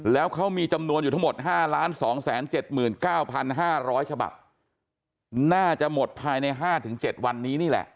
แล้วเขามีจำนวนอยู่ทั้งหมดห้าร้านสองแสนเจ็ดหมื่นเก้าพันห้าร้อยฉบับน่าจะหมดภายในห้าถึงเจ็ดวันนี้นี่แหละ